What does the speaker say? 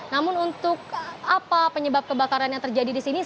namun untuk apa penyebab kebakaran yang terjadi di sini